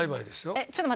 えっ？